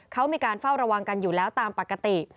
เขามีการเฝ้าระวังกันอยู่แล้วตามปกติ